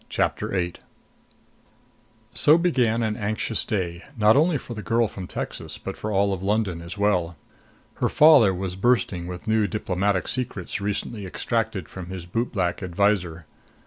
CHAPTER VIII So began an anxious day, not only for the girl from Texas but for all London as well. Her father was bursting with new diplomatic secrets recently extracted from his bootblack adviser.